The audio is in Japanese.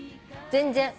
全然。